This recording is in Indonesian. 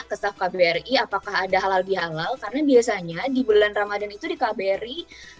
ke staff kbri apakah ada halal bihalal karena biasanya di bulan ramadan itu di kbri